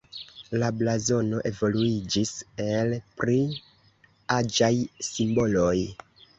La blazono evoluiĝis el pli aĝaj simboloj.